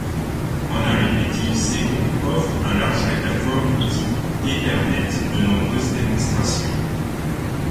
En arithmétique ces groupes offrent un large répertoire d'outils et permettent de nombreuses démonstrations.